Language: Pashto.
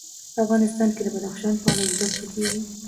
افغانستان کې د بدخشان په اړه زده کړه کېږي.